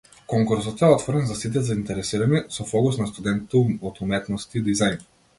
Конкурсот е отворен за сите заинтересирани, со фокус на студентите од уметности и дизајн.